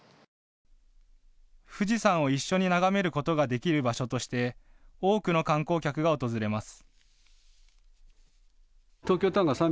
富士山を一緒に眺めることができる場所として多くの観光客が訪れます。